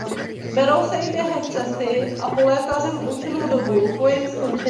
Berou se i během cesty a po lékařem určenou dobu po jejím skončení.